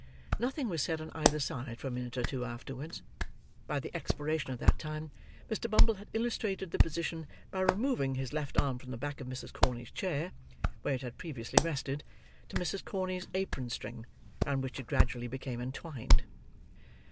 Nothing was said on either side, for a minute or two afterwards. By the expiration of that time, Mr. Bumble had illustrated the position by removing his left arm from the back of Mrs. Corney's chair, where it had previously rested, to Mrs. Corney's apron string, round which it gradually became entwined.